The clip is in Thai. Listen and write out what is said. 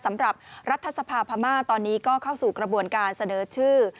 รัฐสภาพม่าตอนนี้ก็เข้าสู่กระบวนการเสนอชื่อ